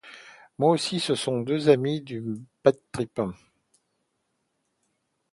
Pour moi ce sont deux amis qui badtrippent.